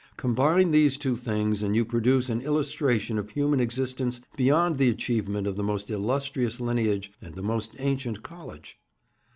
Combine these two things, and you produce an illustration of human existence beyond the achievement of the most illustrious lineage and the most ancient college.'